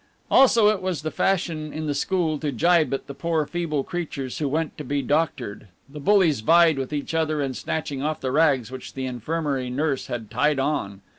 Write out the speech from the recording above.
Also it was the fashion in the school to gibe at the poor, feeble creatures who went to be doctored; the bullies vied with each other in snatching off the rags which the infirmary nurse had tied on.